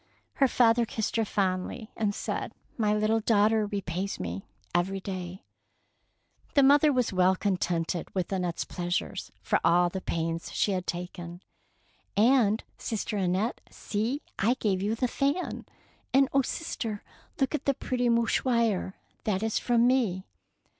Her father kissed her fondly and said, —" My little daughter repays me every day.'^ The mother was well contented with Annette^ s pleasure for all the pains she had taken. " And, sister Annette, see, I gave you the fan.'' "And oh, sister, look at the pretty mouchoir; that is from me."